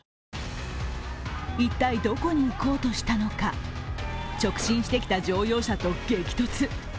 一体どこに行こうとしたのか直進してきた乗用車と激突。